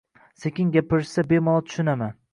Sekin gapirishsa bemalol tushunaman.